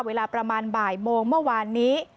เวลาประมาณบ่ายโมงเมื่อวานนี้